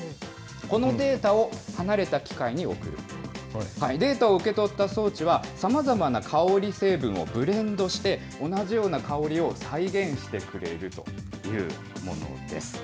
このデータを離れた機械に送ると、データを受け取った装置はさまざまな香り成分をブレンドして、同じような香りを再現してくれるというものです。